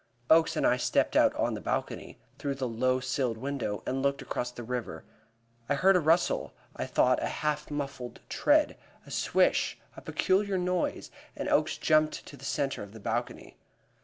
Oakes and I stepped out on the balcony, through the low silled window, and looked across the river. I heard a rustle, I thought a half muffled tread; a swish, a peculiar noise and Oakes jumped to the centre of the balcony.